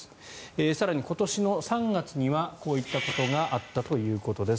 更に今年の３月にはこういったことがあったということです。